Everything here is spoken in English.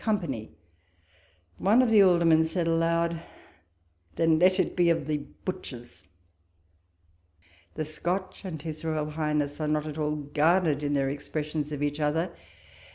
company ; one of the aldermen said aloud, "Then let it be of the Butchers! " The Scotch and his Royal Highness are not at all guarded in their expressions of each other.